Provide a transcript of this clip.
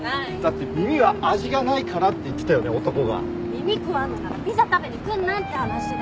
耳食わんのならピザ食べに来んなって話だよ。